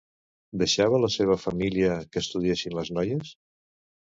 Deixava la seva família que estudiessin les noies?